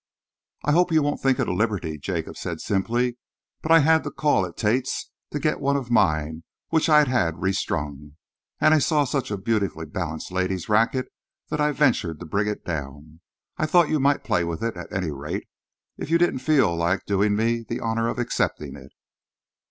"I hope you won't think it a liberty," Jacob said simply, "but I had to call at Tate's to get one of mine which I'd had restrung, and I saw such a delightfully balanced lady's racquet that I ventured to bring it down. I thought you might play with it, at any rate, if you didn't feel like doing me the honour of accepting it."